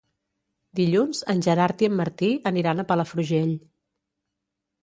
Dilluns en Gerard i en Martí aniran a Palafrugell.